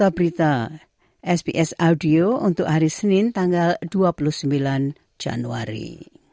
audio untuk hari senin tanggal dua puluh sembilan januari